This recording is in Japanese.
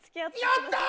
やった！